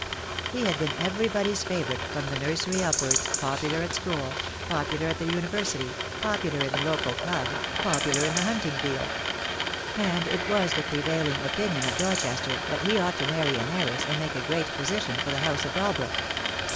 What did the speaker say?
He had been everybody's favourite from the nursery upwards, popular at school, popular at the Uni versity, popular in the local club, popular in the hunting field; and it was the prevailing opinion of Dorchester that he ought to marry an heiress and make a great position for the house of Dalbrook.